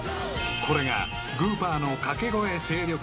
［これがグーパーの掛け声勢力図］